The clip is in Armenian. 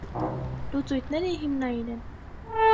Լուծույթները հիմնային են։